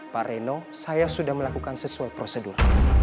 pak reno saya sudah melakukan sesuai prosedur